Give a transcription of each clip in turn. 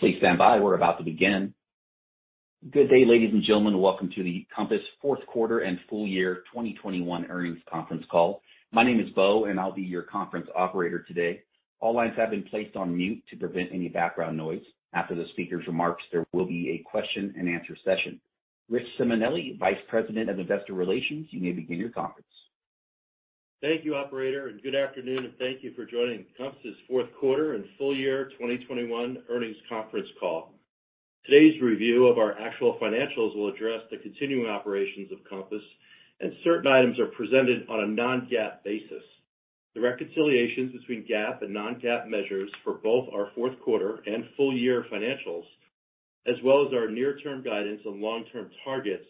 Please stand by. We're about to begin. Good day, ladies and gentlemen. Welcome to the Compass Fourth Quarter and Full Year 2021 Earnings Conference Call. My name is Beau, and I'll be your Conference Operator today. All lines have been placed on mute to prevent any background noise. After the speaker's remarks, there will be a Question-and-Answer session. Rich Simonelli, Vice President of Investor Relations, you may begin your conference. Thank you, operator, and good afternoon, and thank you for joining Compass's Fourth Quarter and Full Year 2021 Earnings Conference Call. Today's review of our actual financials will address the continuing operations of Compass, and certain items are presented on a non-GAAP basis. The reconciliations between GAAP and non-GAAP measures for both our fourth quarter and full year financials, as well as our near-term guidance and long-term targets,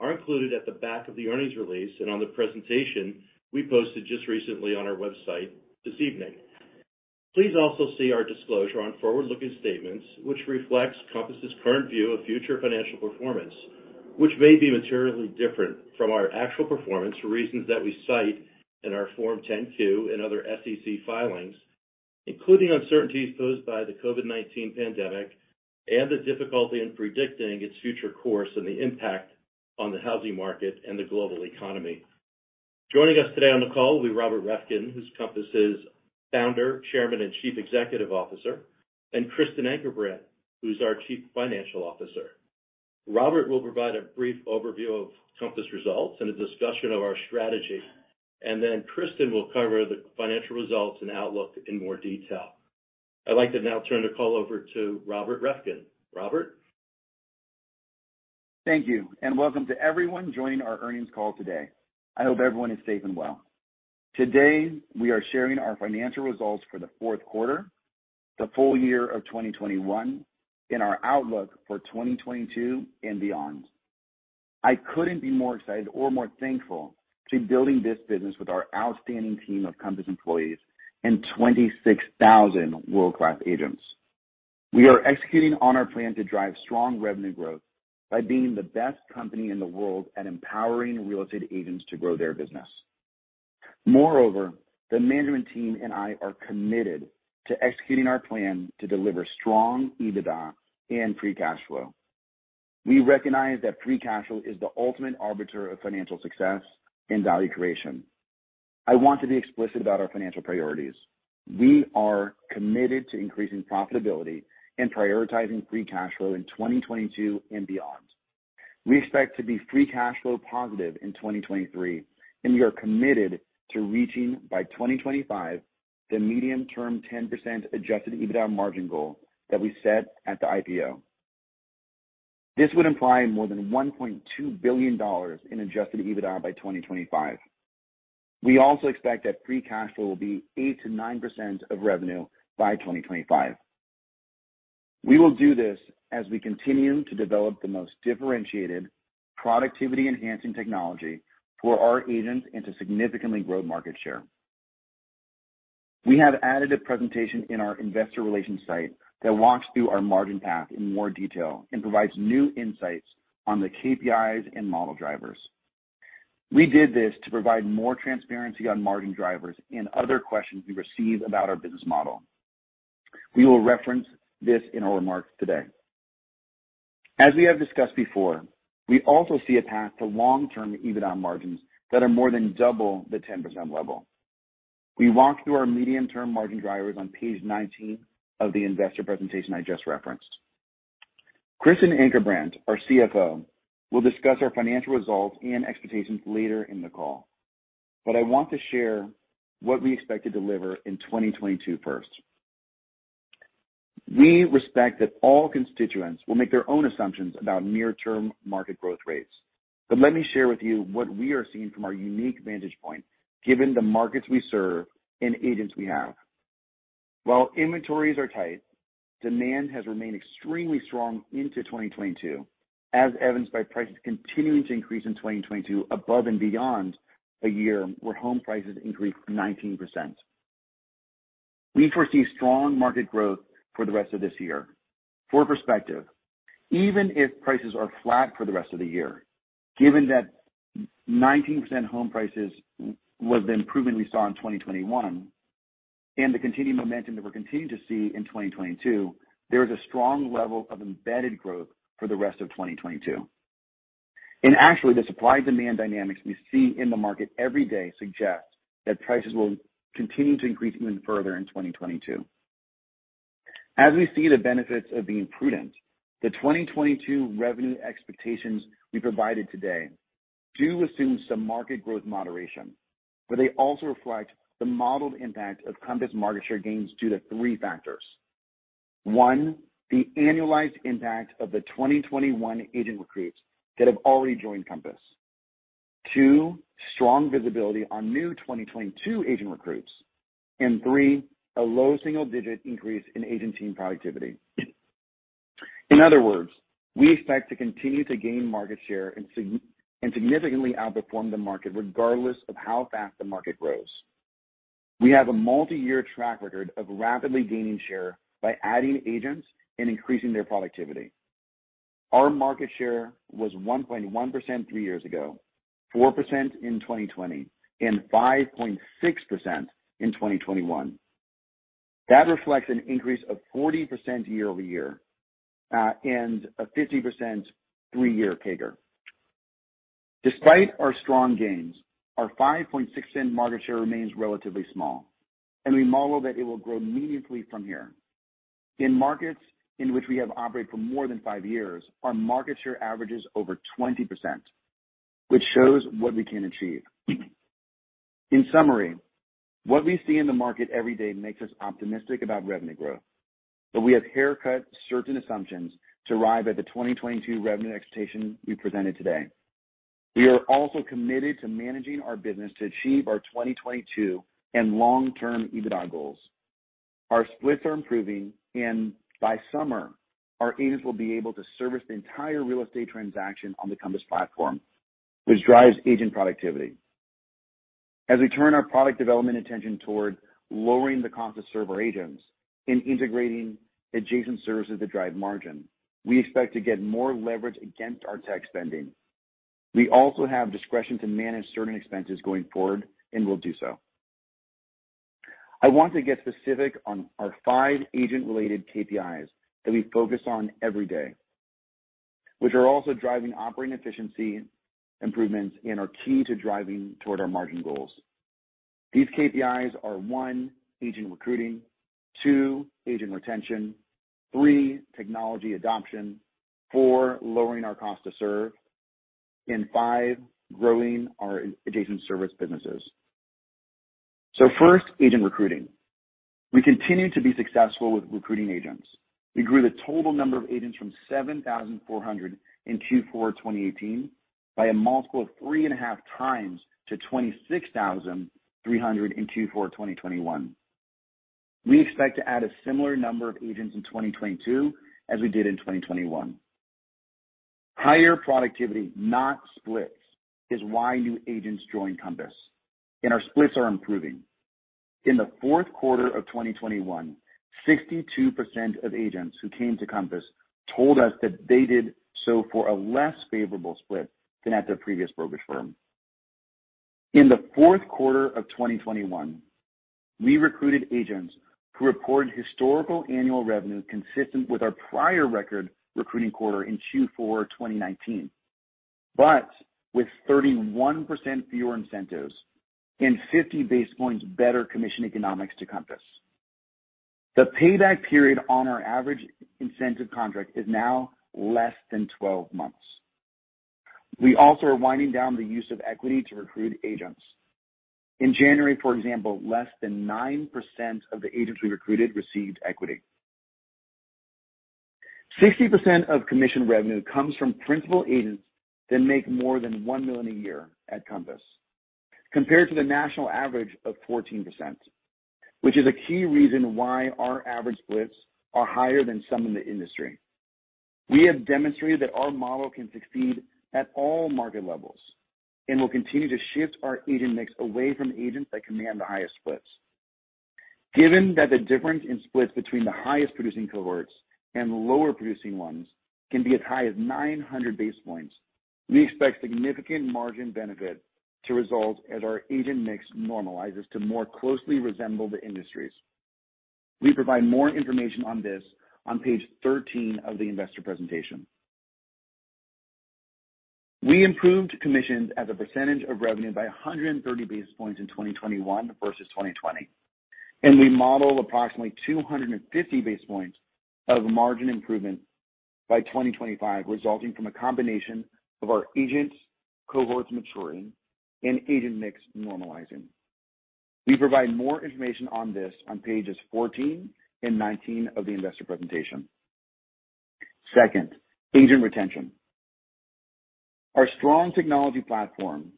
are included at the back of the earnings release and on the presentation we posted just recently on our website this evening. Please also see our disclosure on forward-looking statements, which reflects Compass's current view of future financial performance, which may be materially different from our actual performance for reasons that we cite in our Form 10-K and other SEC filings, including uncertainties posed by the COVID-19 pandemic and the difficulty in predicting its future course and the impact on the housing Market and the global economy. Joining us today on the call will be Robert Reffkin, who's Compass's Founder, Chairman, and Chief Executive Officer, and Kristen Ankerbrandt, who's our Chief Financial Officer. Robert will provide a brief overview of Compass results and a discussion of our strategy, and then Kristen will cover the financial results and outlook in more detail. I'd like to now turn the call over to Robert Reffkin. Robert? Thank you, and welcome to everyone joining our earnings call today. I hope everyone is safe and well. Today, we are sharing our financial results for the fourth quarter, the full year of 2021, and our outlook for 2022 and beyond. I couldn't be more excited or more thankful to building this business with our outstanding team of Compass employees and 26,000 world-class agents. We are executing on our plan to drive strong revenue growth by being the best company in the world at empowering real estate agents to grow their business. Moreover, the management team and I are committed to executing our plan to deliver strong EBITDA and free cash flow. We recognize that free cash flow is the ultimate arbiter of financial success and Value Creation. I want to be explicit about our financial priorities. We are committed to increasing profitability and prioritizing free cash flow in 2022 and beyond. We expect to be free cash flow positive in 2023, and we are committed to reaching by 2025 the medium-term 10% Adjusted EBITDA margin goal that we set at the IPO. This would imply more than $1.2 billion in Adjusted EBITDA by 2025. We also expect that free cash flow will be 8%-9% of revenue by 2025. We will do this as we continue to develop the most differentiated productivity-enhancing technology for our agents and to significantly grow market share. We have added a presentation in our investor relations site that walks through our margin path in more detail and provides new insights on the KPIs and model drivers. We did this to provide more transparency on margin drivers and other questions we receive about our business model. We will reference this in our remarks today. As we have discussed before, we also see a path to long-term EBITDA margins that are more than double the 10% level. We walk through our medium-term margin drivers on page 19 of the investor presentation I just referenced. Kristen Ankerbrandt, our CFO, will discuss our financial results and expectations later in the call, but I want to share what we expect to deliver in 2022 first. We respect that all constituents will make their own assumptions about near-term market growth rates, but let me share with you what we are seeing from our unique vantage point, given the markets we serve and agents we have. While inventories are tight, demand has remained extremely strong into 2022, as evidenced by prices continuing to increase in 2022 above and beyond a year where home prices increased 19%. We foresee strong market growth for the rest of this year. For perspective, even if prices are flat for the rest of the year, given that 19% home price improvement we saw in 2021 and the continued momentum that we're continuing to see in 2022, there is a strong level of embedded growth for the rest of 2022. Actually, the supply-demand dynamics we see in the market every day suggest that prices will continue to increase even further in 2022. As we see the benefits of being prudent, the 2022 revenue expectations we provided today do assume some market growth moderation, but they also reflect the modeled impact of Compass market share gains due to three factors. One, the annualized impact of the 2021 agent recruits that have already joined Compass. Two, strong visibility on new 2022 agent recruits. Three, a low single-digit increase in agent team productivity. In other words, we expect to continue to gain market share and significantly outperform the market regardless of how fast the market grows. We have a multi-year track record of rapidly gaining share by adding agents and increasing their productivity. Our market share was 1.1% three years ago, 4% in 2020, and 5.6% in 2021. That reflects an increase of 40% year-over-year and a 50% three-year CAGR. Despite our strong gains, our 5.6% market share remains relatively small, and we model that it will grow meaningfully from here. In markets in which we have operated for more than five years, our market share averages over 20%, which shows what we can achieve. In summary, what we see in the market every day makes us optimistic about revenue growth, but we have haircut certain assumptions to arrive at the 2022 revenue expectation we presented today. We are also committed to managing our business to achieve our 2022 and long-term EBITDA goals. Our splits are improving and by summer, our agents will be able to service the entire real estate transaction on the Compass platform, which drives agent productivity. As we turn our product development attention toward lowering the cost to serve our agents and integrating adjacent services that drive margin, we expect to get more leverage against our tech spending. We also have discretion to manage certain expenses going forward, and will do so. I want to get specific on our five agent-related KPIs that we focus on every day, which are also driving operating efficiency improvements and are key to driving toward our margin goals. These KPIs are one, agent recruiting, two, agent retention, three, technology adoption, four, lowering our cost to serve, and five, growing our adjacent service businesses. First, agent recruiting. We continue to be successful with recruiting agents. We grew the total number of agents from 7,400 in Q4 2018 by a multiple of 3.5x to 26,300 in Q4 2021. We expect to add a similar number of agents in 2022 as we did in 2021. Higher productivity, not splits, is why new agents join Compass, and our splits are improving. In the fourth quarter of 2021, 62% of agents who came to Compass told us that they did so for a less favorable split than at their previous brokerage firm. In the fourth quarter of 2021, we recruited agents who reported historical annual revenue consistent with our prior record recruiting quarter in Q4 2019, but with 31% fewer incentives and 50 basis points better commission economics to Compass. The payback period on our average incentive contract is now less than 12 months. We also are winding down the use of equity to recruit agents. In January, for example, less than 9% of the agents we recruited received equity. 60% of commission revenue comes from principal agents that make more than $1 million a year at Compass, compared to the national average of 14%, which is a key reason why our average splits are higher than some in the industry. We have demonstrated that our model can succeed at all market levels and will continue to shift our agent mix away from agents that command the highest splits. Given that the difference in splits between the highest-producing cohorts and the lower-producing ones can be as high as 900 basis points, we expect significant margin benefit to result as our agent mix normalizes to more closely resemble the industry's. We provide more information on this on page 13 of the investor presentation. We improved commissions as a percentage of revenue by 130 basis points in 2021 versus 2020, and we model approximately 250 basis points of margin improvement by 2025, resulting from a combination of our agents, cohorts maturing, and agent mix normalizing. We provide more information on this on pages 14 and 19 of the investor presentation. Second, agent retention. Our strong technology platform,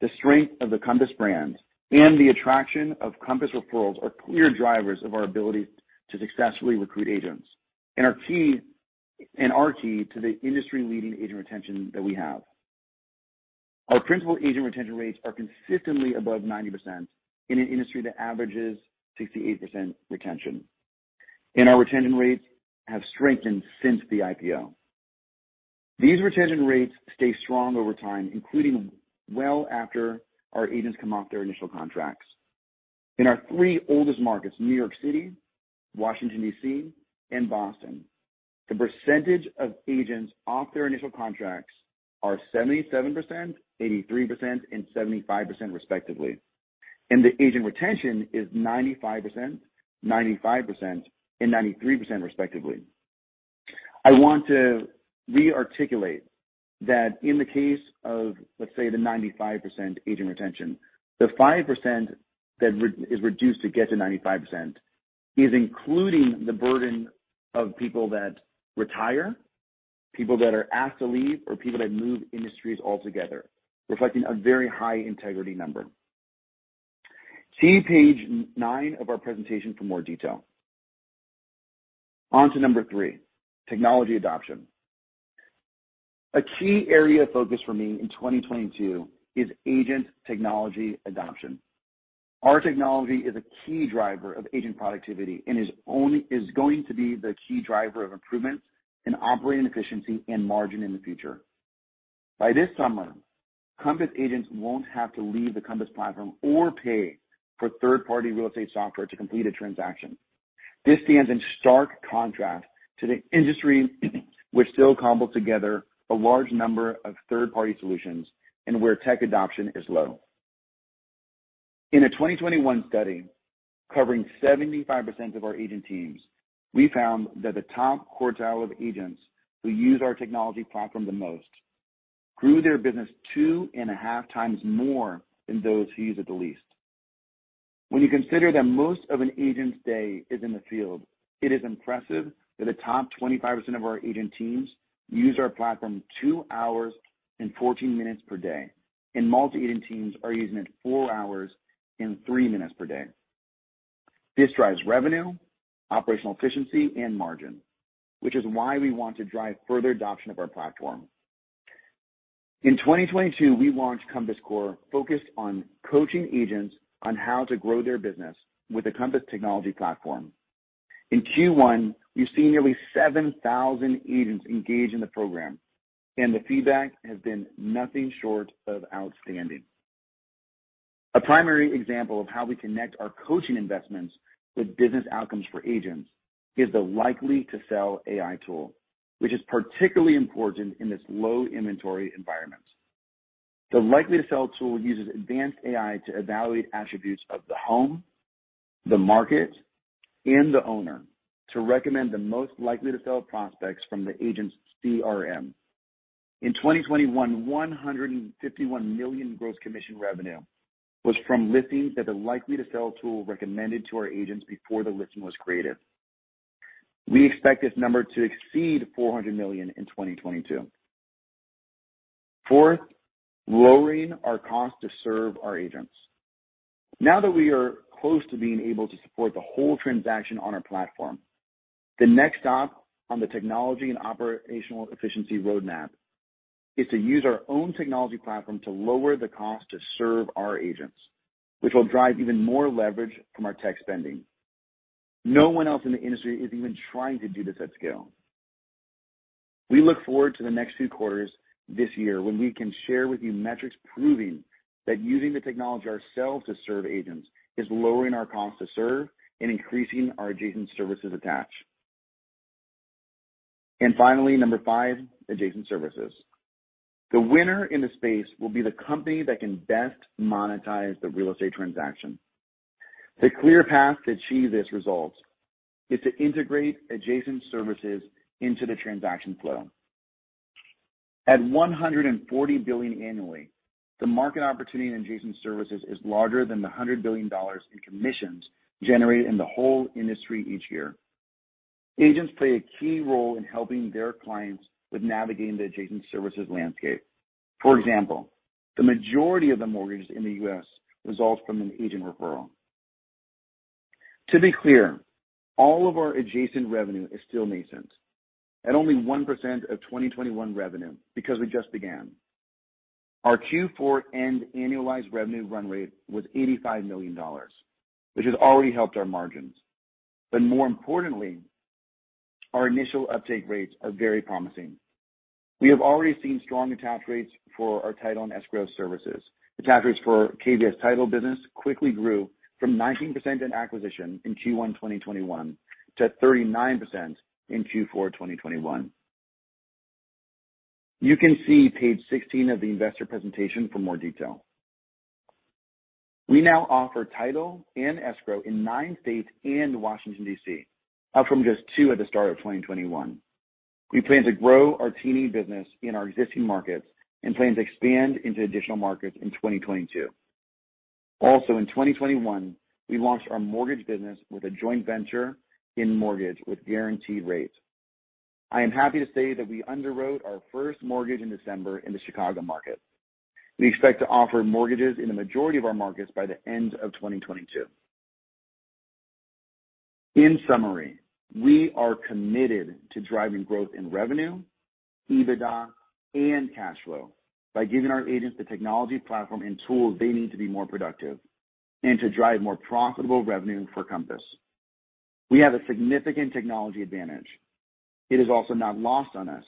the strength of the Compass brand, and the attraction of Compass referrals are clear drivers of our ability to successfully recruit agents and are key to the industry-leading agent retention that we have. Our principal agent retention rates are consistently above 90% in an industry that averages 68% retention, and our retention rates have strengthened since the IPO. These retention rates stay strong over time, including well after our agents come off their initial contracts. In our three oldest markets, New York City, Washington, D.C., and Boston, the percentage of agents off their initial contracts are 77%, 83%, and 75% respectively, and the agent retention is 95%, 95%, and 93% respectively. I want to re-articulate that in the case of, let's say, the 95% agent retention, the 5% that is reduced to get to 95% is including the burden of people that retire, people that are asked to leave, or people that move industries altogether, reflecting a very high integrity number. See page nine of our presentation for more detail. On to number three, technology adoption. A key area of focus for me in 2022 is agent technology adoption. Our technology is a key driver of agent productivity and is going to be the key driver of improvements in operating efficiency and margin in the future. By this summer, Compass agents won't have to leave the Compass platform or pay for third-party real estate software to complete a transaction. This stands in stark contrast to the industry which still cobble together a large number of third-party solutions and where tech adoption is low. In a 2021 study covering 75% of our agent teams, we found that the top quartile of agents who use our technology platform the most grew their business 2.5x more than those who use it the least. When you consider that most of an agent's day is in the field, it is impressive that the top 25% of our agent teams use our platform two hours and 14 minutes per day, and multi-agent teams are using it four hours and three minutes per day. This drives revenue, operational efficiency, and margin, which is why we want to drive further adoption of our platform. In 2022, we launched Compass Core focused on coaching agents on how to grow their business with the Compass technology platform. In Q1, we've seen nearly 7,000 agents engage in the program, and the feedback has been nothing short of outstanding. A primary example of how we connect our coaching investments with business outcomes for agents is the Likely to Sell AI tool, which is particularly important in this low inventory environment. The Likely to Sell tool uses advanced AI to evaluate attributes of the home, the market, and the owner to recommend the most likely to sell prospects from the agent's CRM. In 2021, $151 million gross commission revenue was from listings that the Likely to Sell tool recommended to our agents before the listing was created. We expect this number to exceed $400 million in 2022. Fourth, lowering our cost to serve our agents. Now that we are close to being able to support the whole transaction on our platform, the next stop on the technology and operational efficiency roadmap is to use our own technology platform to lower the cost to serve our agents, which will drive even more leverage from our tech spending. No one else in the industry is even trying to do this at scale. We look forward to the next few quarters this year when we can share with you metrics proving that using the technology ourselves to serve agents is lowering our cost to serve and increasing our adjacent services attached. Finally, number five, adjacent services. The winner in the space will be the company that can best monetize the real estate transaction. The clear path to achieve this result is to integrate adjacent services into the transaction flow. At $140 billion annually, the market opportunity in adjacent services is larger than the $100 billion in commissions generated in the whole industry each year. Agents play a key role in helping their clients with navigating the adjacent services landscape. For example, the majority of the Mortgages in the U.S. result from an agent referral. To be clear, all of our adjacent revenue is still nascent. At only 1% of 2021 revenue because we just began. Our Q4 end annualized revenue run rate was $85 million, which has already helped our margins. More importantly, our initial uptake rates are very promising. We have already seen strong attach rates for our title and escrow services. Attach rates for KVS Title business quickly grew from 19% at acquisition in Q1 2021 to 39% in Q4 2021. You can see page 16 of the investor presentation for more detail. We now offer title and escrow in nine states and Washington, D.C., up from just two at the start of 2021. We plan to grow our title business in our existing markets and plan to expand into additional markets in 2022. Also in 2021, we launched our Mortgage business with a joint venture in Mortgage with Guaranteed Rate. I am happy to say that we underwrote our first Mortgage in December in the Chicago market. We expect to offer Mortgages in the majority of our markets by the end of 2022. In summary, we are committed to driving growth in revenue, EBITDA, and cash flow by giving our agents the technology platform and tools they need to be more productive and to drive more profitable revenue for Compass. We have a significant technology advantage. It is also not lost on us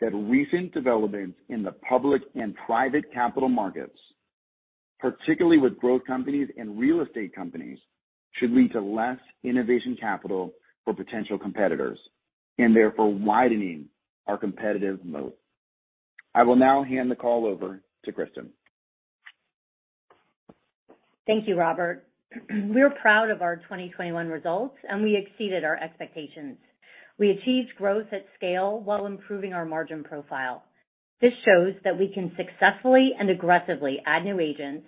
that recent developments in the public and private capital markets, particularly with growth companies and real estate companies, should lead to less innovation capital for potential competitors, and therefore widening our competitive moat. I will now hand the call over to Kristen. Thank you, Robert. We're proud of our 2021 results, and we exceeded our expectations. We achieved growth at scale while improving our margin profile. This shows that we can successfully and aggressively add new agents,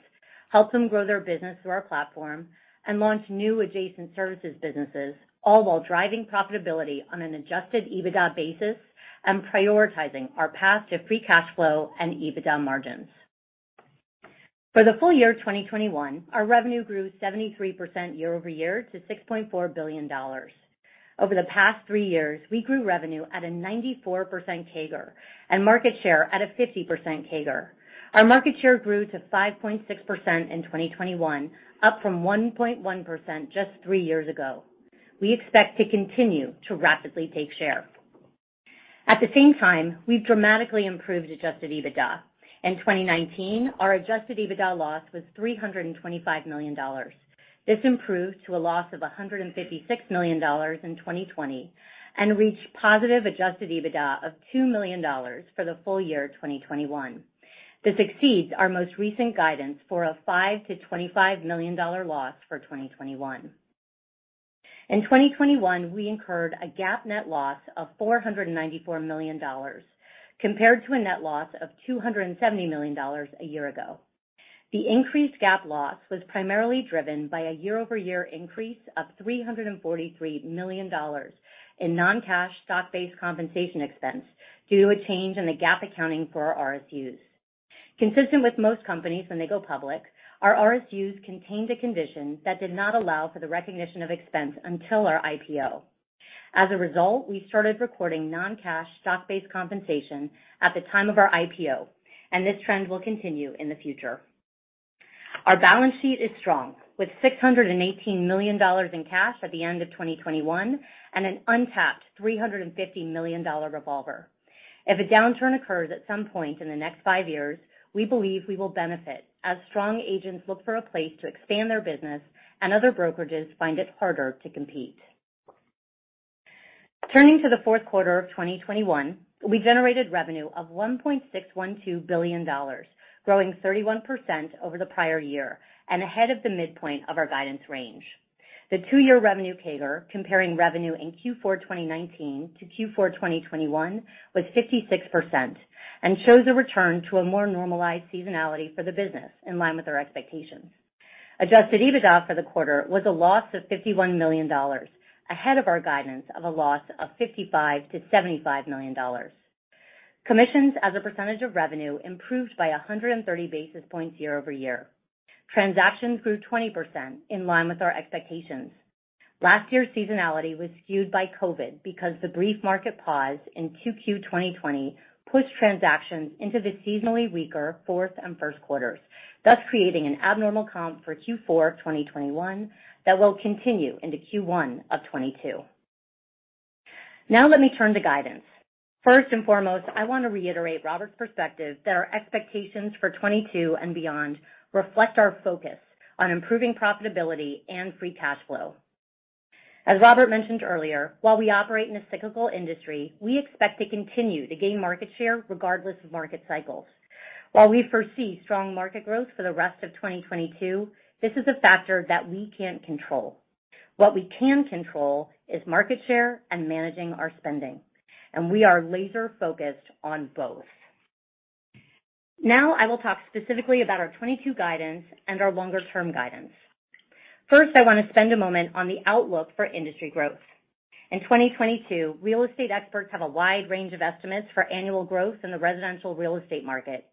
help them grow their business through our platform, and launch new adjacent services businesses, all while driving profitability on an Adjusted EBITDA basis and prioritizing our path to free cash flow and EBITDA margins. For the full year 2021, our revenue grew 73% year-over-year to $6.4 billion. Over the past three years, we grew revenue at a 94% CAGR and market share at a 50% CAGR. Our market share grew to 5.6% in 2021, up from 1.1% just three years ago. We expect to continue to rapidly take share. At the same time, we've dramatically improved Adjusted EBITDA.In 2019, our Adjusted EBITDA loss was $325 million. This improved to a loss of $156 million in 2020, and reached positive Adjusted EBITDA of $2 million for the full year 2021. This exceeds our most recent guidance for a $5 million-$25 million loss for 2021. In 2021, we incurred a GAAP net loss of $494 million compared to a net loss of $270 million a year ago. The increased GAAP loss was primarily driven by a year-over-year increase of $343 million in non-cash stock-based compensation expense due to a change in the GAAP accounting for our RSUs. Consistent with most companies when they go public, our RSUs contained a condition that did not allow for the recognition of expense until our IPO. As a result, we started recording non-cash stock-based compensation at the time of our IPO, and this trend will continue in the future. Our balance sheet is strong, with $618 million in cash at the end of 2021 and an untapped $350 million revolver. If a downturn occurs at some point in the next five years, we believe we will benefit as strong agents look for a place to expand their business and other brokerages find it harder to compete. Turning to the fourth quarter of 2021, we generated revenue of $1.612 billion, growing 31% over the prior year and ahead of the midpoint of our guidance range. The two-year revenue CAGR comparing revenue in Q4 2019-Q4 2021 was 56% and shows a return to a more normalized seasonality for the business in line with our expectations. Adjusted EBITDA for the quarter was a loss of $51 million, ahead of our guidance of a loss of $55 million-$75 million. Commissions as a percentage of revenue improved by 130 basis points year-over-year. Transactions grew 20% in line with our expectations. Last year's seasonality was skewed by COVID-19 because the brief market pause in 2Q 2020 pushed transactions into the seasonally weaker fourth and first quarters, thus creating an abnormal comp for Q4 2021 that will continue into Q1 of 2022. Now let me turn to guidance. First and foremost, I want to reiterate Robert's perspective that our expectations for 2022 and beyond reflect our focus on improving profitability and free cash flow. As Robert mentioned earlier, while we operate in a cyclical industry, we expect to continue to gain market share regardless of market cycles. While we foresee strong market growth for the rest of 2022, this is a factor that we can't control. What we can control is market share and managing our spending, and we are laser-focused on both. Now I will talk specifically about our 2022 guidance and our longer-term guidance. First, I want to spend a moment on the outlook for industry growth. In 2022, real estate experts have a wide range of estimates for annual growth in the residential real estate market,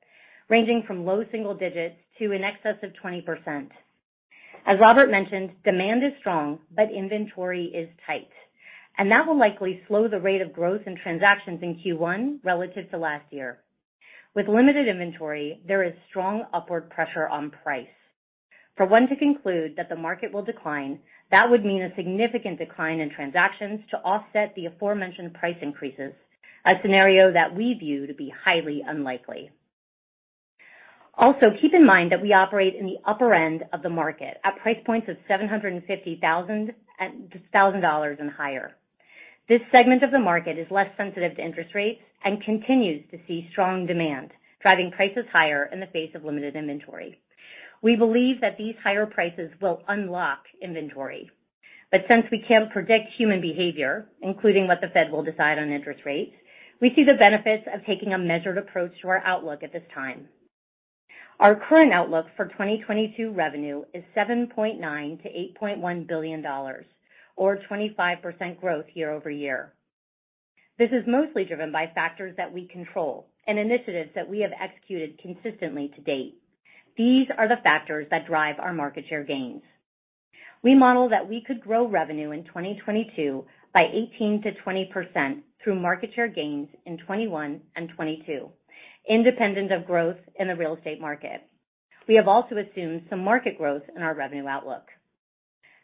ranging from low single digits to in excess of 20%.As Robert mentioned, demand is strong, but inventory is tight, and that will likely slow the rate of growth in transactions in Q1 relative to last year. With limited inventory, there is strong upward pressure on price. For one to conclude that the market will decline, that would mean a significant decline in transactions to offset the aforementioned price increases, a scenario that we view to be highly unlikely. Also, keep in mind that we operate in the upper end of the market at price points of $750,000 and higher. This segment of the market is less sensitive to interest rates and continues to see strong demand, driving prices higher in the face of limited inventory. We believe that these higher prices will unlock inventory. Since we can't predict human behavior, including what the Fed will decide on interest rates, we see the benefits of taking a measured approach to our outlook at this time. Our current outlook for 2022 revenue is $7.9 billion-$8.1 billion or 25% growth year-over-year. This is mostly driven by factors that we control and initiatives that we have executed consistently to date. These are the factors that drive our market share gains. We model that we could grow revenue in 2022 by 18%-20% through market share gains in 2021 and 2022, independent of growth in the real estate market. We have also assumed some market growth in our revenue outlook.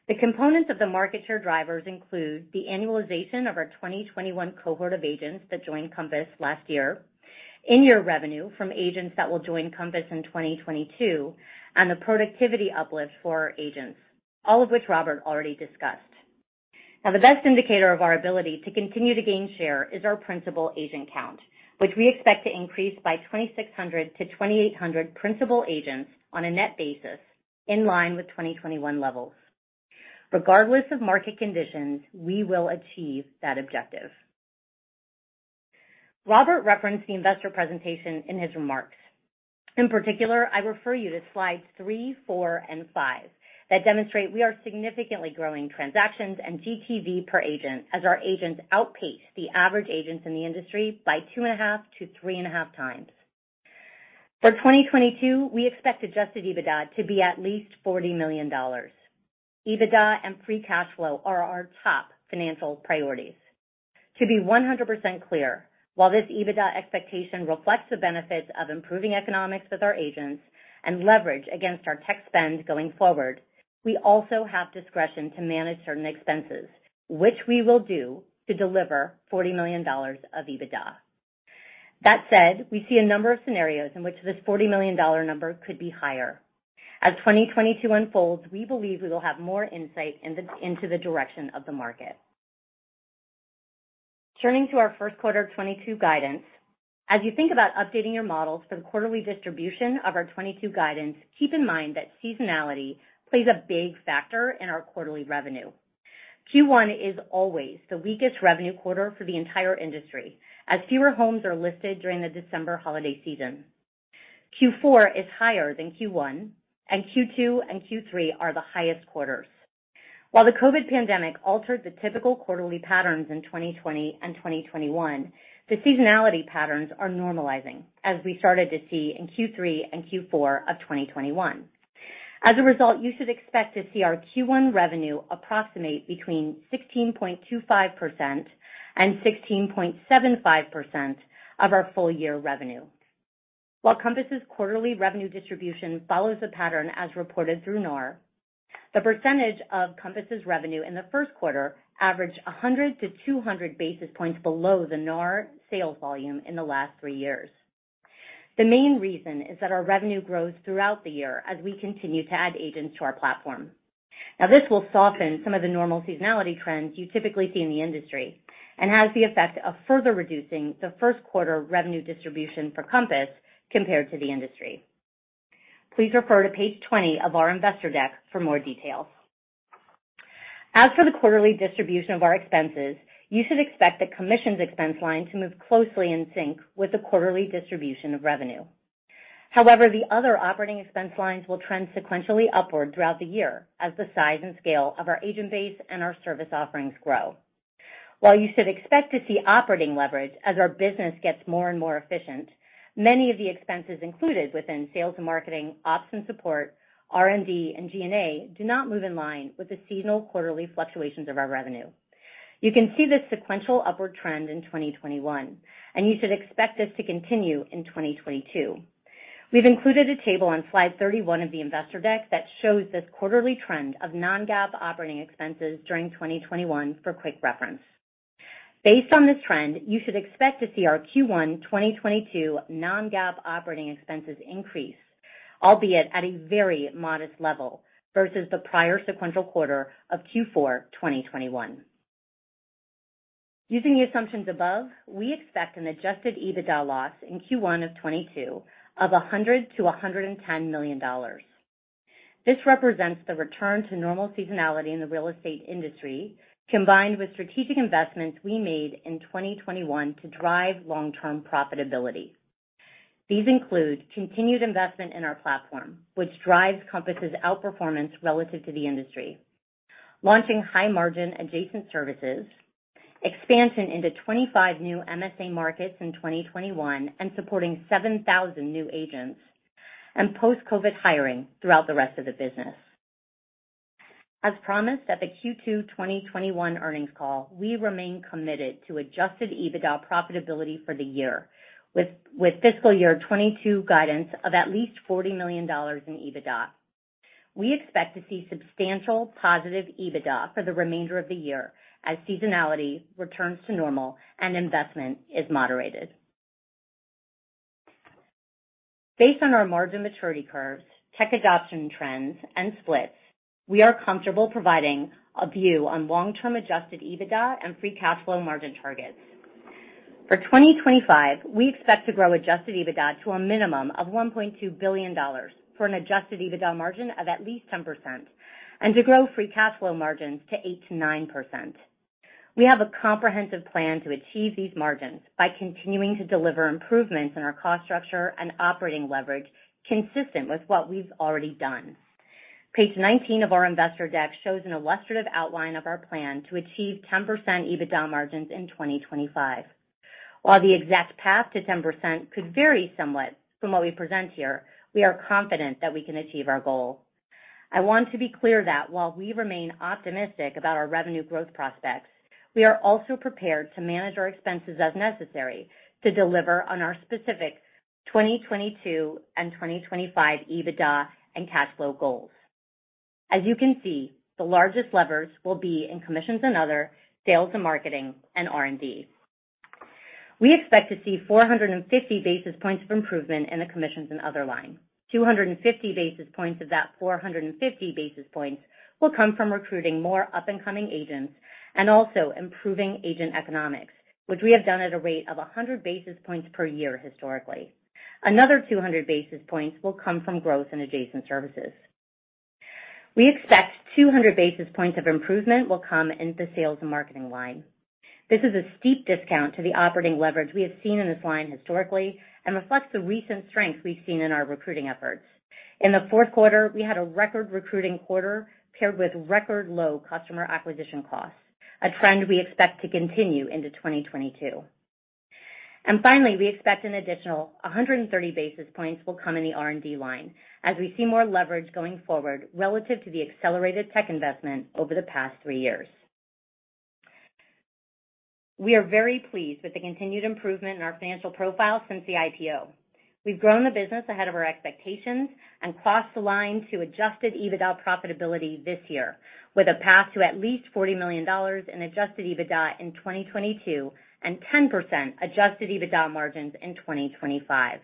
The components of the market share drivers include the annualization of our 2021 cohort of agents that joined Compass last year, in-year revenue from agents that will join Compass in 2022, and the productivity uplift for our agents, all of which Robert already discussed. Now, the best indicator of our ability to continue to gain share is our principal agent count, which we expect to increase by 2600-2800 principal agents on a net basis in line with 2021 levels. Regardless of market conditions, we will achieve that objective. Robert referenced the investor presentation in his remarks.In particular, I refer you to slides three, four, and five that demonstrate we are significantly growing transactions and GTV per agent as our agents outpace the average agents in the industry by 2.5x-3.5x. For 2022, we expect Adjusted EBITDA to be at least $40 million. EBITDA and free cash flow are our top financial priorities. To be 100% clear, while this EBITDA expectation reflects the benefits of improving economics with our agents and leverage against our tech spend going forward, we also have discretion to manage certain expenses, which we will do to deliver $40 million of EBITDA. That said, we see a number of scenarios in which this $40 million number could be higher. As 2022 unfolds, we believe we will have more insight into the direction of the market. Turning to our first quarter 2022 guidance. As you think about updating your models for the quarterly distribution of our 2022 guidance, keep in mind that seasonality plays a big factor in our quarterly revenue. Q1 is always the weakest revenue quarter for the entire industry, as fewer homes are listed during the December holiday season. Q4 is higher than Q1, and Q2 and Q3 are the highest quarters. While the COVID-19 pandemic altered the typical quarterly patterns in 2020 and 2021, the seasonality patterns are normalizing, as we started to see in Q3 and Q4 of 2021. As a result, you should expect to see our Q1 revenue approximately between 16.25% and 16.75% of our full year revenue. While Compass's quarterly revenue distribution follows the pattern as reported through NAR, the percentage of Compass's revenue in the first quarter averaged 100-200 basis points below the NAR sales volume in the last three years. The main reason is that our revenue grows throughout the year as we continue to add agents to our platform. Now, this will soften some of the normal seasonality trends you typically see in the industry and has the effect of further reducing the first quarter revenue distribution for Compass compared to the industry. Please refer to page 20 of our investor deck for more details. As for the quarterly distribution of our expenses, you should expect the commissions expense line to move closely in sync with the quarterly distribution of revenue. However, the other operating expense lines will trend sequentially upward throughout the year as the size and scale of our agent base and our service offerings grow. While you should expect to see operating leverage as our business gets more and more efficient, many of the expenses included within sales and marketing, Ops and Support, R&D, and G&A do not move in line with the seasonal quarterly fluctuations of our revenue. You can see this sequential upward trend in 2021, and you should expect this to continue in 2022. We've included a table on slide 31 of the investor deck that shows this quarterly trend of non-GAAP operating expenses during 2021 for quick reference. Based on this trend, you should expect to see our Q1 2022 non-GAAP operating expenses increase, albeit at a very modest level versus the prior sequential quarter of Q4 2021. Using the assumptions above, we expect an Adjusted EBITDA loss in Q1 of 2022 $100million-$110 million. This represents the return to normal seasonality in the real estate industry, combined with strategic investments we made in 2021 to drive long-term profitability. These include continued investment in our platform, which drives Compass's outperformance relative to the industry, launching high-margin adjacent services, expansion into 25 new MSA markets in 2021 and supporting 7,000 new agents, and post-COVID hiring throughout the rest of the business. As promised at the Q2 2021 earnings call, we remain committed to Adjusted EBITDA profitability for the year with fiscal year 2022 guidance of at least $40 million in EBITDA. We expect to see substantial positive EBITDA for the remainder of the year as seasonality returns to normal and investment is moderated. Based on our margin maturity curves, tech adoption trends, and splits, we are comfortable providing a view on long-term Adjusted EBITDA and free cash flow margin targets. For 2025, we expect to grow Adjusted EBITDA to a minimum of $1.2 billion for an Adjusted EBITDA margin of at least 10% and to grow free cash flow margins to 8%-9%. We have a comprehensive plan to achieve these margins by continuing to deliver improvements in our cost structure and operating leverage consistent with what we've already done. Page 19 of our investor deck shows an illustrative outline of our plan to achieve 10% EBITDA margins in 2025. While the exact path to 10% could vary somewhat from what we present here, we are confident that we can achieve our goal.I want to be clear that while we remain optimistic about our revenue growth prospects, we are also prepared to manage our expenses as necessary to deliver on our specific 2022 and 2025 EBITDA and cash flow goals. As you can see, the largest levers will be in commissions and other, sales and marketing, and R&D. We expect to see 450 basis points of improvement in the commissions and other line. 250 basis points of that 450 basis points will come from recruiting more up-and-coming agents and also improving agent economics, which we have done at a rate of 100 basis points per year historically. Another 200 basis points will come from growth in adjacent services. We expect 200 basis points of improvement will come in the sales and marketing line. This is a steep discount to the operating leverage we have seen in this line historically and reflects the recent strength we've seen in our recruiting efforts. In the fourth quarter, we had a record recruiting quarter paired with record low customer acquisition costs, a trend we expect to continue into 2022. Finally, we expect an additional 130 basis points will come in the R&D line as we see more leverage going forward relative to the accelerated tech investment over the past three years. We are very pleased with the continued improvement in our financial profile since the IPO. We've grown the business ahead of our expectations and crossed the line to Adjusted EBITDA profitability this year, with a path to at least $40 million in Adjusted EBITDA in 2022 and 10% Adjusted EBITDA margins in 2025.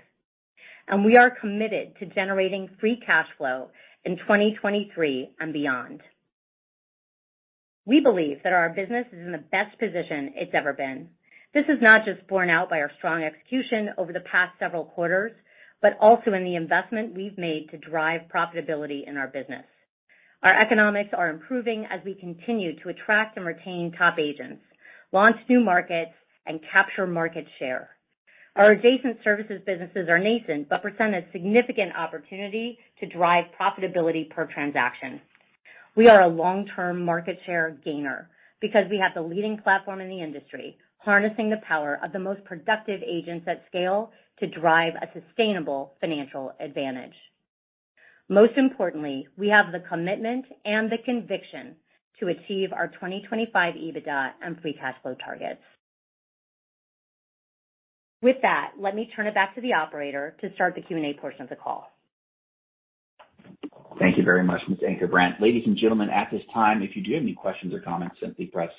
We are committed to generating free cash flow in 2023 and beyond. We believe that our business is in the best position it's ever been. This is not just borne out by our strong execution over the past several quarters, but also in the investment we've made to drive profitability in our business. Our economics are improving as we continue to attract and retain top agents, launch new markets, and capture market share. Our adjacent services businesses are nascent, but present a significant opportunity to drive profitability per transaction. We are a long-term market share gainer because we have the leading platform in the industry, harnessing the power of the most productive agents at scale to drive a sustainable financial advantage. Most importantly, we have the commitment and the conviction to achieve our 2025 EBITDA and free cash flow targets. With that, let me turn it back to the operator to start the Q&A portion of the call. Thank you very much, Ms. Ankerbrandt. Ladies and gentlemen, at this time, if you do have any questions or comments, simply press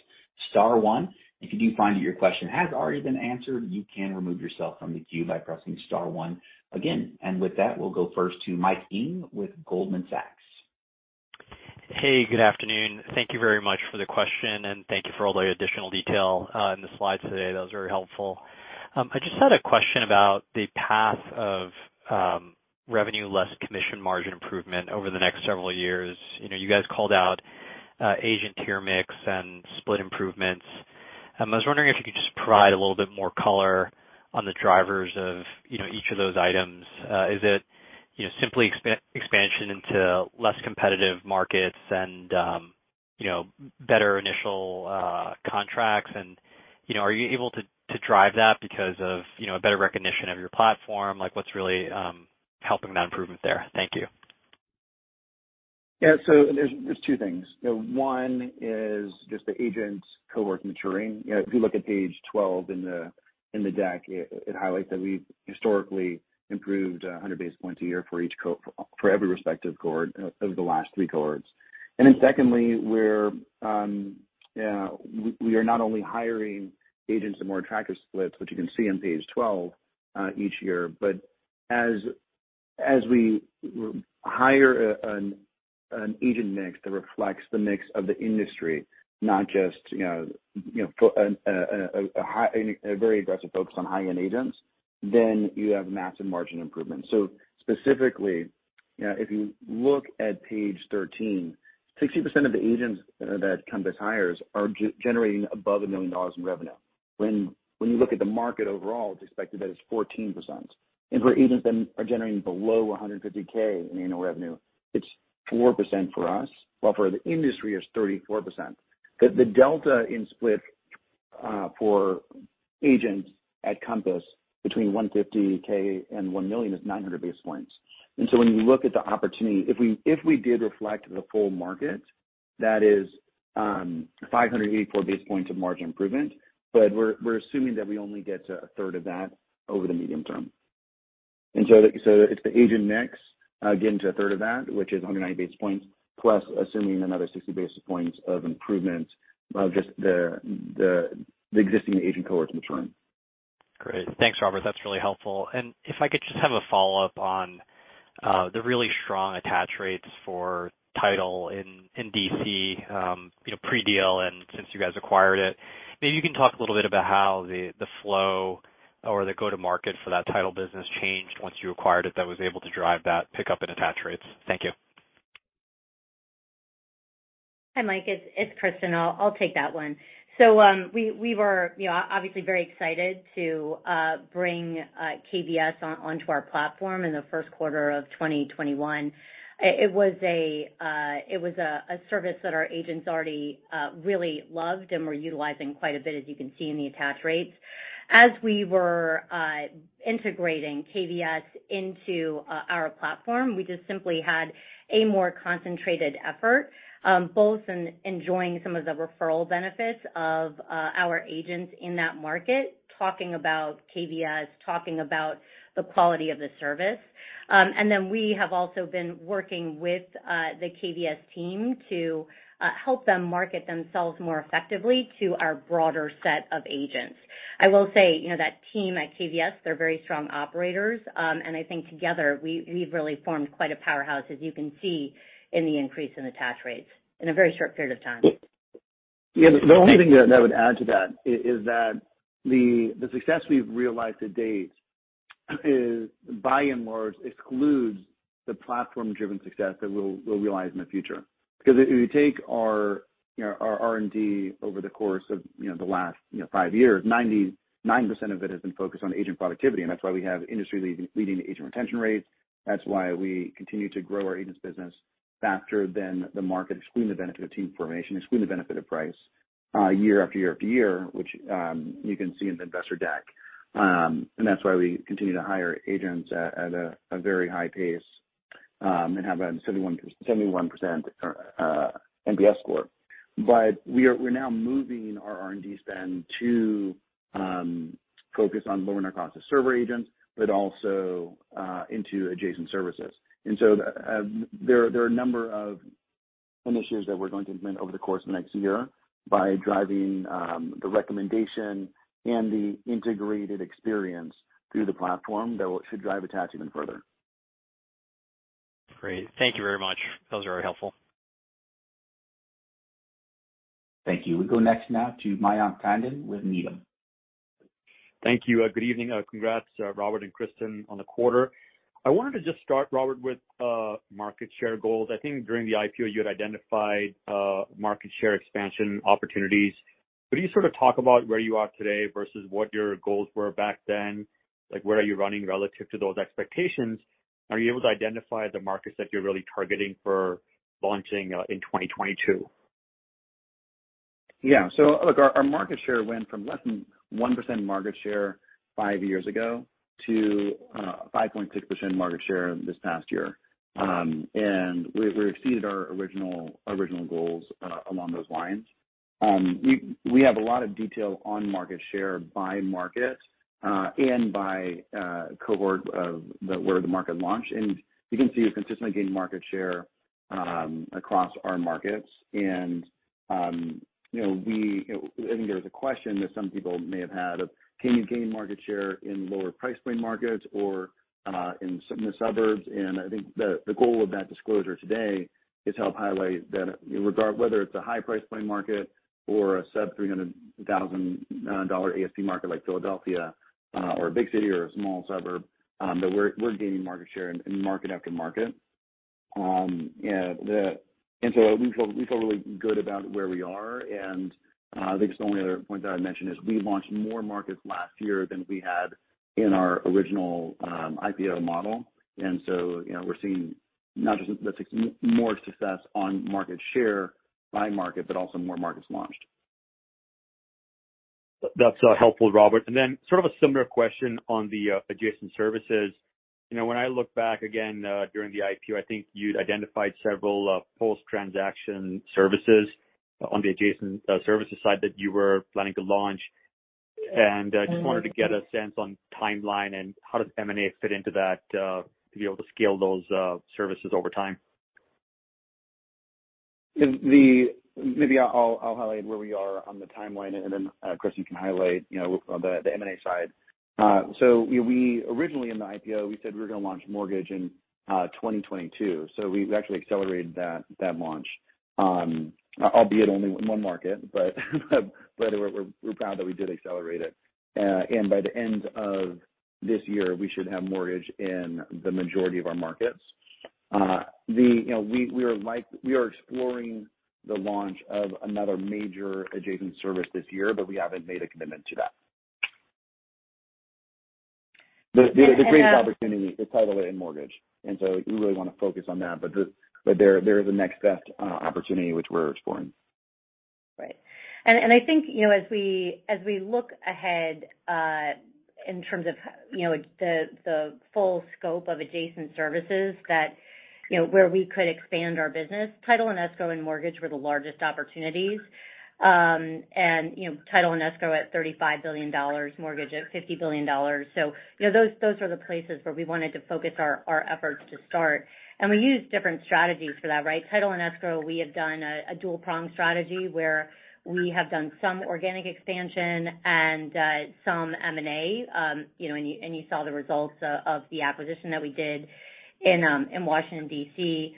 star one. If you do find that your question has already been answered, you can remove yourself from the queue by pressing star one again. With that, we'll go first to Michael Ng with Goldman Sachs. Hey, good afternoon. Thank you very much for the question, and thank you for all the additional detail in the slides today. That was very helpful. I just had a question about the path of revenue less commission margin improvement over the next several years. You know, you guys called out agent tier mix and split improvements. I was wondering if you could just provide a little bit more color on the drivers of, you know, each of those items. Is it, you know, simply expansion into less competitive markets and, you know, better initial contracts? You know, are you able to drive that because of, you know, a better recognition of your platform? Like, what's really helping that improvement there? Thank you. Yeah. There are two things. One is just the agent cohort maturing. You know, if you look at page 12 in the deck, it highlights that we've historically improved 100 basis points a year for every respective cohort of the last three cohorts. Then secondly, we are not only hiring agents with more attractive splits, which you can see on page 12 each year. As we hire an agent mix that reflects the mix of the industry, not just you know a very aggressive focus on high-end agents, then you have massive margin improvements. Specifically, you know, if you look at page 13, 60% of the agents that Compass hires are generating above $1 million in revenue. When you look at the market overall, it's expected that it's 14%. For agents that are generating below $150K in annual revenue, it's 4% for us, while for the industry, it's 34%. The delta in split for agents at Compass between $150K and $1 million is 900 basis points. When you look at the opportunity, if we did reflect the full market, that is, 584 basis points of margin improvement, but we're assuming that we only get to a third of that over the medium term. It's the agent mix, getting to a third of that, which is 180 basis points, plus assuming another 60 basis points of improvement of just the existing agent cohorts maturing. Great. Thanks, Robert. That's really helpful. If I could just have a follow-up on the really strong attach rates for title in D.C., you know, pre-deal and since you guys acquired it. Maybe you can talk a little bit about how the flow or the go-to-market for that title business changed once you acquired it, that was able to drive that pickup in attach rates. Thank you. Hi, Mike. It's Kristen. I'll take that one. We were, you know, obviously very excited to bring KVS onto our platform in the first quarter of 2021. It was a service that our agents already really loved and were utilizing quite a bit, as you can see in the attach rates. As we were integrating KVS into our platform, we just simply had a more concentrated effort both in enjoying some of the referral benefits of our agents in that market, talking about KVS, talking about the quality of the service. Then we have also been working with the KVS team to help them market themselves more effectively to our broader set of agents. I will say, you know, that team at KVS, they're very strong operators. I think together, we've really formed quite a powerhouse, as you can see in the increase in attach rates in a very short period of time. Yeah. The only thing that I would add to that is that the success we've realized to date is by and large excludes the platform-driven success that we'll realize in the future. Because if you take our, you know, our R&D over the course of, you know, the last, you know, five years, 99% of it has been focused on agent productivity. That's why we have industry leading agent retention rates. That's why we continue to grow our agents business faster than the market, excluding the benefit of team formation, excluding the benefit of price year after year after year, which you can see in the investor deck. That's why we continue to hire agents at a very high pace and have a 71% NPS score. We're now moving our R&D spend to focus on lowering our cost of server agents, but also into adjacent services. There are a number of initiatives that we're going to implement over the course of the next year by driving the recommendation and the integrated experience through the platform that should drive attach even further. Great. Thank you very much. That was very helpful. Thank you. We go next now to Mayank Tandon with Needham. Thank you. Good evening. Congrats, Robert and Kristen on the quarter. I wanted to just start, Robert, with market share goals. I think during the IPO, you had identified market share expansion opportunities. Could you sort of talk about where you are today versus what your goals were back then? Like, where are you running relative to those expectations? Are you able to identify the markets that you're really targeting for launching in 2022? Yeah. Look, our market share went from less than 1% market share five years ago to 5.6% market share this past year. We exceeded our original goals along those lines. We have a lot of detail on market share by market and by cohort of where the market launched. You can see we've consistently gained market share across our markets. You know, I think there was a question that some people may have had of can you gain market share in lower price point markets or in suburbs? I think the goal of that disclosure today is to help highlight that regard whether it's a high price point market or a sub-$300,000 ASP market like Philadelphia or a big city or a small suburb that we're gaining market share in market after market. We feel really good about where we are. I guess the only other point that I'd mention is we launched more markets last year than we had in our original IPO model. You know, we're seeing not just more success on market share by market, but also more markets launched. That's helpful, Robert. Sort of a similar question on the adjacent services. You know, when I look back again, during the IPO, I think you'd identified several post-transaction services on the adjacent services side that you were planning to launch. Just wanted to get a sense on timeline and how does M&A fit into that to be able to scale those services over time. Maybe I'll highlight where we are on the timeline, and then, Kristen can highlight, you know, the M&A side. We originally, in the IPO, we said we were gonna launch Mortgage in 2022. We've actually accelerated that launch, albeit only in one market. We're proud that we did accelerate it. By the end of this year, we should have Mortgage in the majority of our markets. We are exploring the launch of another major adjacent service this year, but we haven't made a commitment to that. And, uh- The greatest opportunity is Title and Mortgage, and so we really wanna focus on that. There is a next best opportunity which we're exploring. Right. I think, you know, as we look ahead, in terms of, you know, the full scope of adjacent services that, you know, where we could expand our business, Title and Escrow and Mortgage were the largest opportunities. You know, Title and Escrow at $35 billion, Mortgage at $50 billion. You know, those are the places where we wanted to focus our efforts to start. We used different strategies for that, right? Title and escrow, we have done a dual prong strategy where we have done some organic expansion and, some M&A. You know, and you saw the results of the acquisition that we did in Washington, D.C.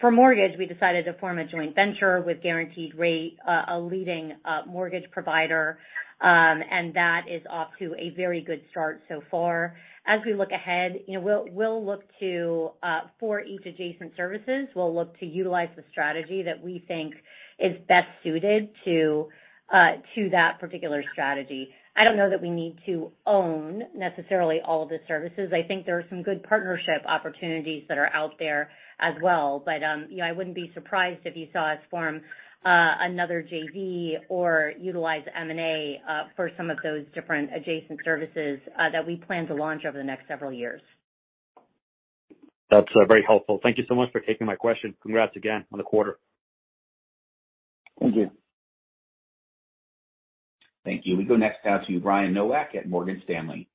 For Mortgage, we decided to form a joint venture with Guaranteed Rate, a leading Mortgage provider, and that is off to a very good start so far. As we look ahead, you know, we'll look to for each adjacent services, we'll look to utilize the strategy that we think is best suited to that particular strategy. I don't know that we need to own necessarily all of the services. I think there are some good partnership opportunities that are out there as well. You know, I wouldn't be surprised if you saw us form another JV or utilize M&A for some of those different adjacent services that we plan to launch over the next several years. That's very helpful. Thank you so much for taking my question. Congrats again on the quarter. Thank you. Thank you. We go next now to Brian Nowak at Morgan Stanley.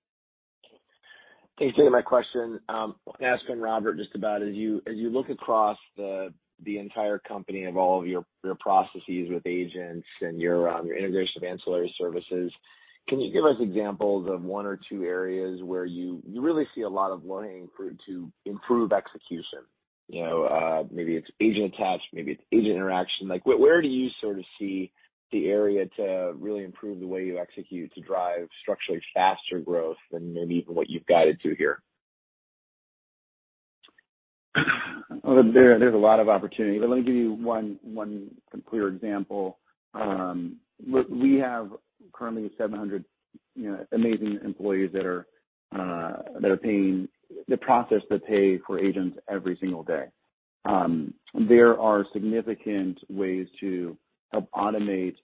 Thanks for taking my question. I'm asking Robert, just about as you look across the entire company of all of your processes with agents and your integration of ancillary services, can you give us examples of one or two areas where you really see a lot of learning to improve execution? You know, maybe it's agent attach, maybe it's agent interaction. Like, where do you sort of see the area to really improve the way you execute to drive structurally faster growth than maybe what you've guided to here? Well, there's a lot of opportunity. Let me give you one clear example. We have currently 700, you know, amazing employees that are processing the payments for agents every single day. There are significant ways to help automate,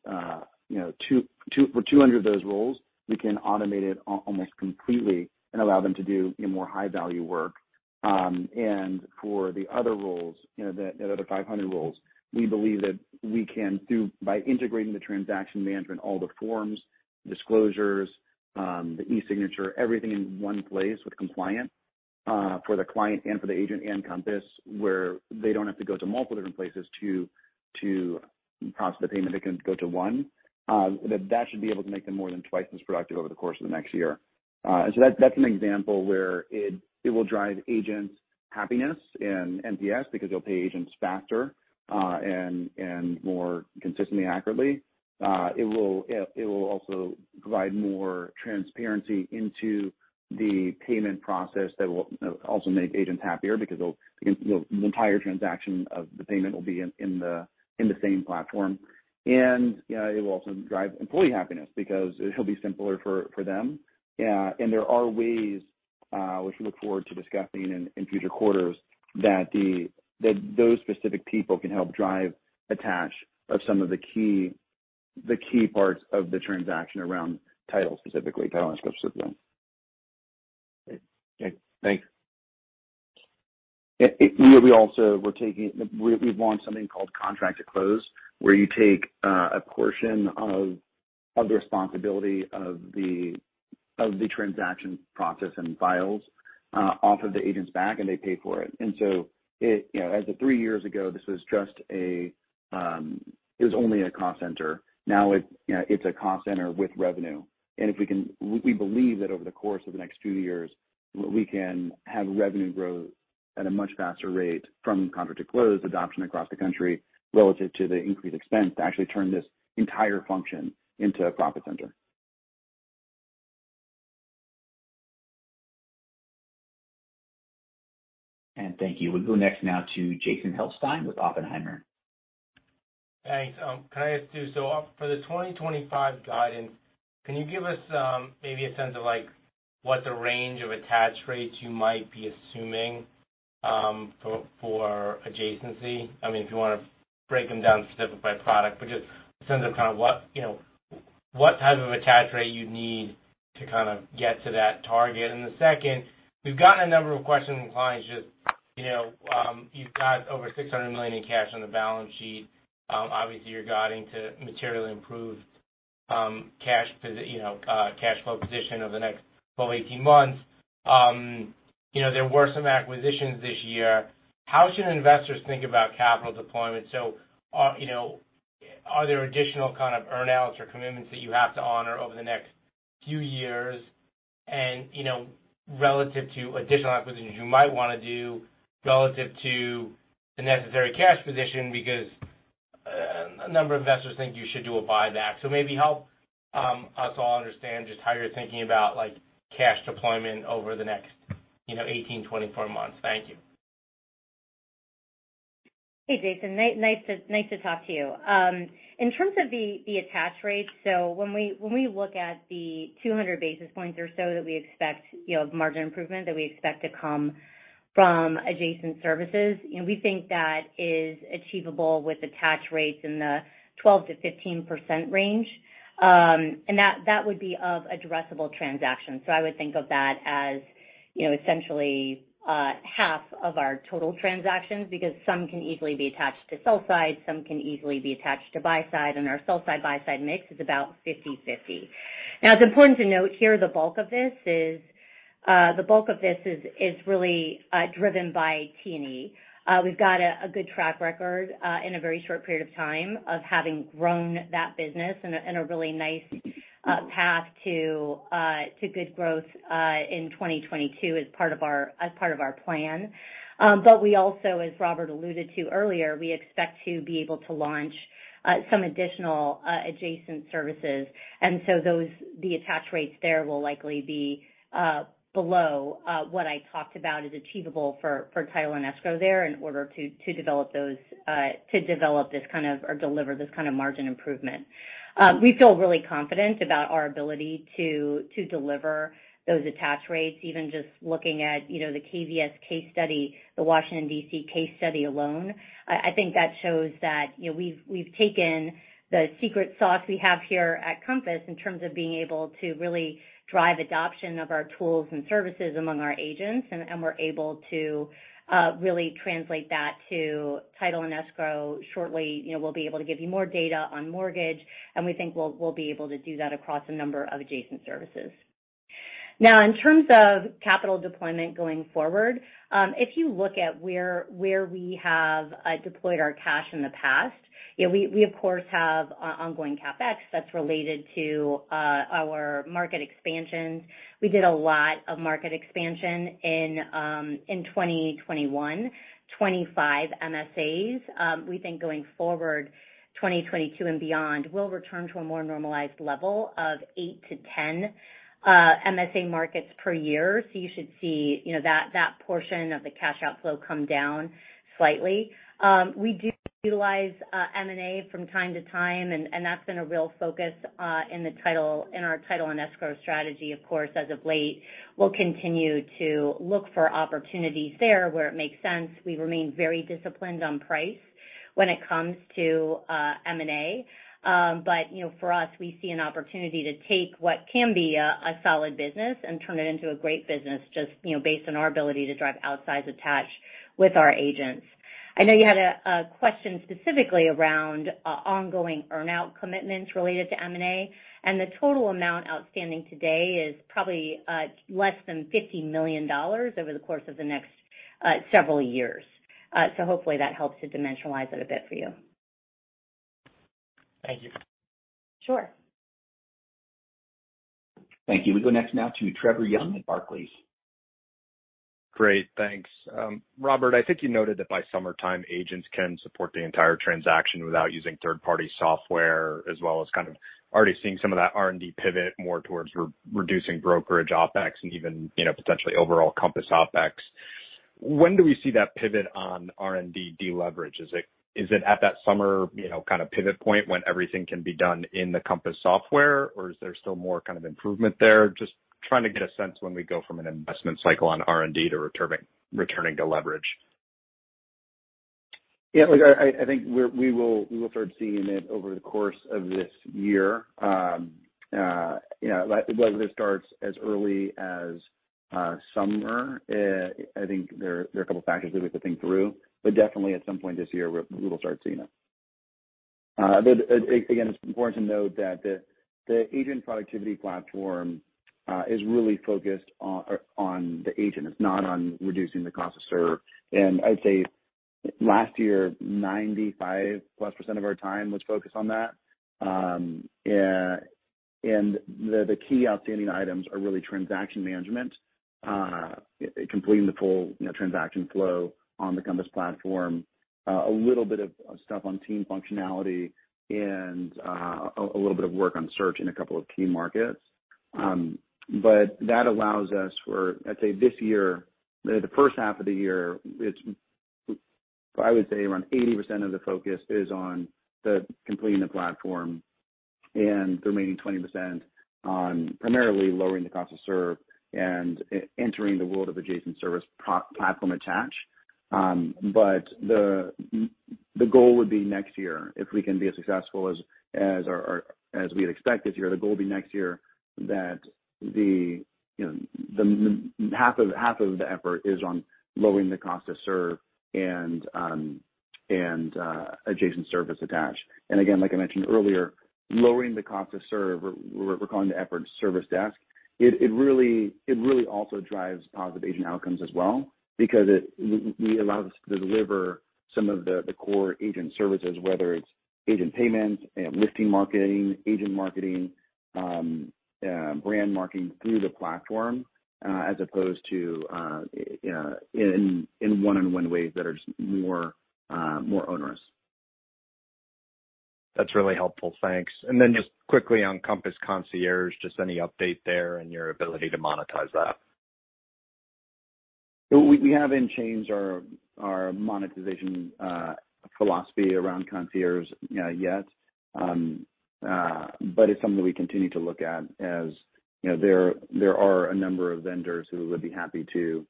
you know, 200 of those roles, we can automate it almost completely and allow them to do more high-value work. For the other roles, you know, the other 500 roles, we believe that we can do by integrating the transaction management, all the forms, disclosures, the e-signature, everything in one place with compliance for the client and for the agent and Compass, where they don't have to go to multiple different places to process the payment, they can go to one. That should be able to make them more than twice as productive over the course of the next year. That's an example where it will drive agents' happiness and NPS because it'll pay agents faster and more consistently accurately. It will also provide more transparency into the payment process that will also make agents happier because the entire transaction of the payment will be in the same platform. You know, it will also drive employee happiness because it'll be simpler for them. There are ways which we look forward to discussing in future quarters that those specific people can help drive attach of some of the key parts of the transaction around title, specifically. Title and escrow, specifically. Okay. Thanks. We've launched something called contract to close, where you take a portion of the responsibility of the transaction process and files off of the agent's back, and they pay for it. You know, as of three years ago, this was just a cost center. Now it's, you know, it's a cost center with revenue. We believe that over the course of the next two years, we can have revenue growth at a much faster rate from contract to close adoption across the country relative to the increased expense to actually turn this entire function into a profit center. Thank you. We'll go next now to Jason Helfstein with Oppenheimer. Thanks. Can I ask too, so for the 2025 guidance, can you give us, maybe a sense of like what the range of attach rates you might be assuming, for adjacency? I mean, if you wanna break them down specific by product, but just a sense of kind of what, you know, what type of attach rate you need to kind of get to that target. The second, we've gotten a number of questions from clients, just, you know, you've got over $600 million in cash on the balance sheet. Obviously, you're guiding to materially improve, cash flow position over the next 12-18 months. You know, there were some acquisitions this year. How should investors think about capital deployment? You know, are there additional kind of earn-outs or commitments that you have to honor over the next few years? You know, relative to additional acquisitions you might wanna do, relative to the necessary cash position because a number of investors think you should do a buyback. Maybe help us all understand just how you're thinking about, like, cash deployment over the next, you know, 18 months, 24 months. Thank you. Hey, Jason. Nice to talk to you. In terms of the attach rate, when we look at the 200 basis points or so that we expect, you know, margin improvement that we expect to come from adjacent services, you know, we think that is achievable with attach rates in the 12%-15% range. That would be of addressable transactions. I would think of that as, you know, essentially half of our total transactions, because some can easily be attached to sell side, some can easily be attached to buy side, and our sell side/buy side mix is about 50/50. Now, it's important to note here, the bulk of this is really driven by T&E. We've got a good track record in a very short period of time of having grown that business in a really nice path to good growth in 2022 as part of our plan. We also, as Robert alluded to earlier, expect to be able to launch some additional adjacent services. The attach rates there will likely be below what I talked about is achievable for title and escrow there in order to develop or deliver this kind of margin improvement. We feel really confident about our ability to deliver those attach rates, even just looking at, you know, the KVS case study, the Washington, D.C. case study alone. I think that shows that, you know, we've taken the secret sauce we have here at Compass in terms of being able to really drive adoption of our tools and services among our agents, and we're able to really translate that to title and escrow. Shortly, you know, we'll be able to give you more data on Mortgage, and we think we'll be able to do that across a number of adjacent services. Now, in terms of capital deployment going forward, if you look at where we have deployed our cash in the past. We of course have ongoing CapEx that's related to our market expansions. We did a lot of market expansion in 2021, 25 MSAs. We think going forward, 2022 and beyond, we'll return to a more normalized level of 8-10 MSA markets per year. You should see, you know, that portion of the cash outflow come down slightly. We do utilize M&A from time to time, and that's been a real focus in our title and escrow strategy, of course, as of late. We'll continue to look for opportunities there where it makes sense. We remain very disciplined on price when it comes to M&A. You know, for us, we see an opportunity to take what can be a solid business and turn it into a great business just, you know, based on our ability to drive outsize attach with our agents. I know you had a question specifically around ongoing earn-out commitments related to M&A, and the total amount outstanding today is probably less than $50 million over the course of the next several years. Hopefully that helps to dimensionalize it a bit for you. Thank you. Sure. Thank you. We go next now to Trevor Young at Barclays. Great. Thanks. Robert, I think you noted that by summertime, agents can support the entire transaction without using third-party software, as well as kind of already seeing some of that R&D pivot more towards reducing brokerage OpEx and even, you know, potentially overall Compass OpEx. When do we see that pivot on R&D deleverage? Is it at that summer, you know, kind of pivot point when everything can be done in the Compass software, or is there still more kind of improvement there? Just trying to get a sense when we go from an investment cycle on R&D to returning to leverage. Yeah. Look, I think we will start seeing it over the course of this year. You know, whether it starts as early as summer. I think there are a couple of factors that we have to think through, but definitely at some point this year, we will start seeing it. But again, it's important to note that the agent productivity platform is really focused on the agent. It's not on reducing the cost to serve. I would say last year, 95%+ of our time was focused on that. The key outstanding items are really transaction management, completing the full, you know, transaction flow on the Compass platform, a little bit of stuff on team functionality and a little bit of work on search in a couple of key markets. That allows us for, I'd say this year, the first half of the year, I would say around 80% of the focus is on completing the platform and the remaining 20% on primarily lowering the cost to serve and entering the world of adjacent service platform attach. The goal would be next year, if we can be as successful as we had expected here, you know, half of the effort is on lowering the cost to serve and adjacent service attach. Again, like I mentioned earlier, lowering the cost to serve, we're calling the effort service desk. It really also drives positive agent outcomes as well because it allows us to deliver some of the core agent services, whether it's agent payments, listing marketing, agent marketing, brand marketing through the platform, as opposed to in one-on-one ways that are just more onerous. That's really helpful. Thanks. Yeah. Just quickly on Compass Concierge, just any update there and your ability to monetize that? We haven't changed our monetization philosophy around Concierge yet. It's something we continue to look at as, you know, there are a number of vendors who would be happy to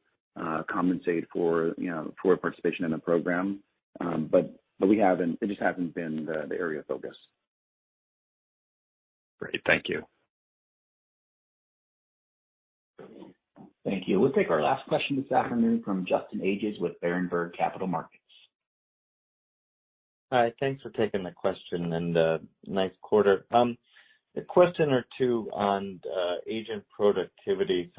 compensate for, you know, for participation in the program. We haven't. It just hasn't been the area of focus. Great. Thank you. Thank you. We'll take our last question this afternoon from Justin Ages with Berenberg Capital Markets. Hi. Thanks for taking the question and nice quarter. A question or two on agent productivity.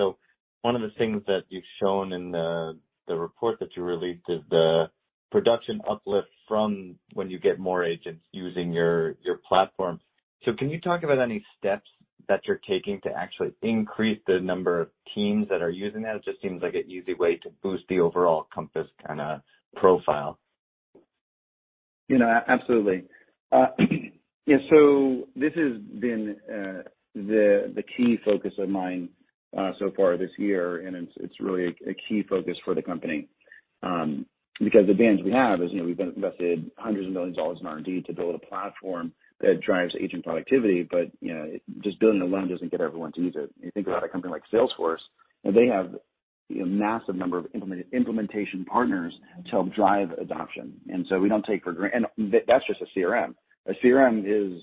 One of the things that you've shown in the report that you released is the production uplift from when you get more agents using your platform. Can you talk about any steps that you're taking to actually increase the number of teams that are using that? It just seems like an easy way to boost the overall Compass kinda profile. You know, absolutely. Yeah, so this has been the key focus of mine so far this year, and it's really a key focus for the company. Because the advantage we have is, you know, we've invested hundreds of millions of dollars in R&D to build a platform that drives agent productivity. You know, just building alone doesn't get everyone to use it. You think about a company like Salesforce, and they have, you know, massive number of implementation partners to help drive adoption. We don't take for granted. That's just a CRM. A CRM is,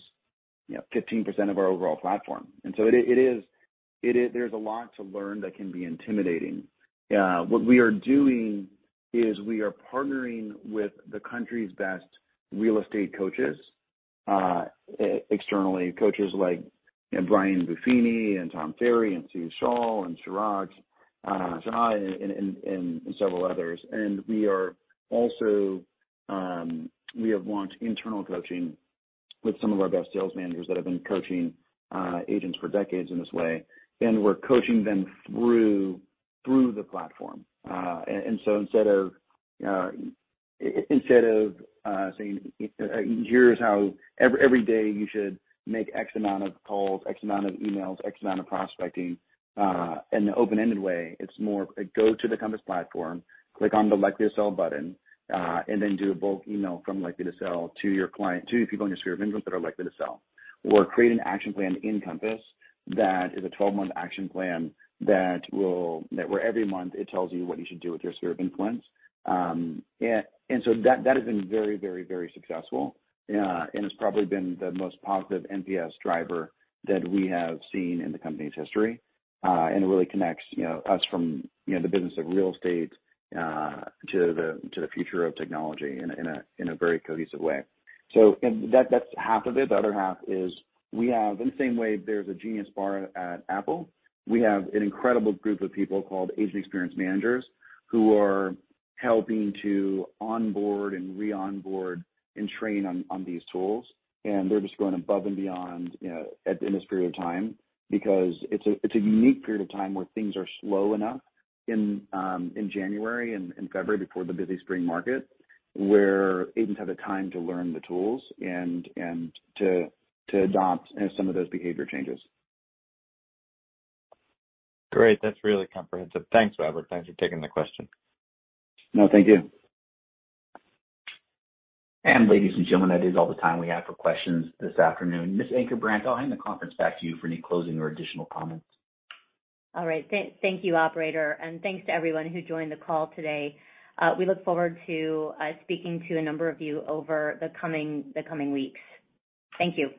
you know, 15% of our overall platform. It is. There's a lot to learn that can be intimidating. What we are doing is we are partnering with the country's best real estate coaches externally, coaches like Brian Buffini and Tom Ferry and Steve Shull and Siraj and several others. We are also we have launched internal coaching with some of our best sales managers that have been coaching agents for decades in this way, and we're coaching them through the platform. Instead of saying, "Here's how every day you should make X amount of calls, X amount of emails, X amount of prospecting," in the open-ended way, it's more go to the Compass platform, click on the Likely to Sell button, and then do a bulk email from Likely to Sell to your client, to people in your sphere of influence that are likely to sell. Create an action plan in Compass that is a 12-month action plan where every month it tells you what you should do with your sphere of influence. That has been very successful, and it's probably been the most positive NPS driver that we have seen in the company's history. It really connects, you know, us from, you know, the business of real estate to the future of technology in a very cohesive way. That's half of it. The other half is we have, in the same way there's a Genius Bar at Apple, we have an incredible group of people called agent experience managers who are helping to onboard and re-onboard and train on these tools. They're just going above and beyond, you know, at in this period of time, because it's a unique period of time where things are slow enough in January and in February before the busy spring market, where agents have the time to learn the tools and to adopt, you know, some of those behavior changes. Great. That's really comprehensive. Thanks, Robert. Thanks for taking the question. No, thank you. Ladies and gentlemen, that is all the time we have for questions this afternoon. Ms. Ankerbrandt, I'll hand the conference back to you for any closing or additional comments. All right. Thank you, operator, and thanks to everyone who joined the call today. We look forward to speaking to a number of you over the coming weeks. Thank you.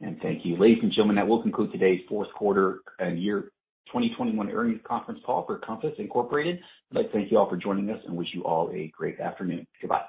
Thank you. Ladies and gentlemen, that will conclude today's Fourth Quarter and Year 2021 Earnings Conference Call for Compass, Inc. I'd like to thank you all for joining us and wish you all a great afternoon. Goodbye.